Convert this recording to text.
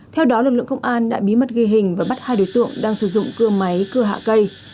theo đó lực lượng công an đã bí mật ghi hình và bắt hai đối tượng đang sử dụng cưa máy cưa hạ cây